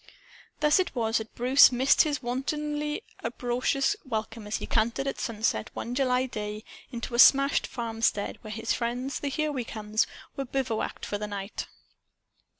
Thus it was that Bruce missed his wontedly uproarious welcome as he cantered, at sunset one July day, into a smashed farmstead where his friends, the "Here We Comes," were bivouacked for the night.